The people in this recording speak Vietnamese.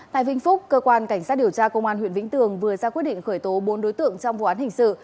tại vĩnh phúc cơ quan cảnh sát điều tra công an huyện vĩnh tường vừa ra quyết định khởi tố bốn đối tượng trong vụ án hình sự